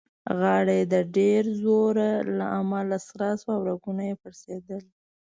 غاړه يې د ډېر زوره له امله سره شوه او رګونه يې پړسېدل.